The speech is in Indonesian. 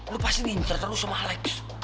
lo pasti ngincer terus sama alex